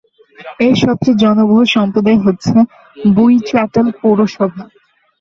এর সবচেয়ে জনবহুল সম্প্রদায় হচ্ছে বোইচাটেল পৌরসভা।